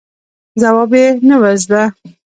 ځواب یې نه و زده.